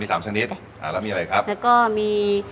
แล้วก็มี